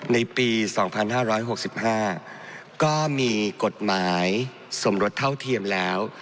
ในปี๒๕๖๕ก็มีกฎหมายสมรสเท่าเทียมแล้ว